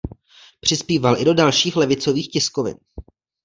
Přispíval i do dalších levicových tiskovin.